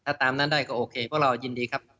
ถ้าตามนั้นได้ก็โอเคเพราะเรายินดีครับ